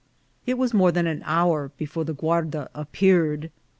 It was more than an hour before the guarda appear ed.